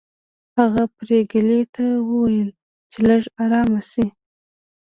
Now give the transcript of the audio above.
هغه پريګلې ته وویل چې لږه ارامه شي